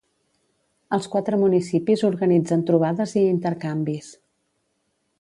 Els quatre municipis organitzen trobades i intercanvis.